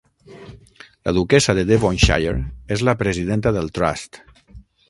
La Duquessa de Devonshire és la presidenta del Trust.